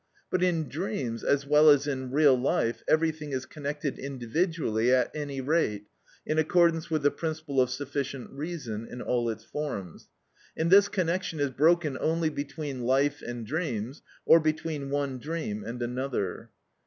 But in dreams, as well as in real life, everything is connected individually at any rate, in accordance with the principle of sufficient reason in all its forms, and this connection is broken only between life and dreams, or between one dream and another.